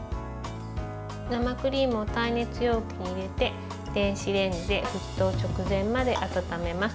生クリームを耐熱容器に入れて電子レンジで沸騰直前まで温めます。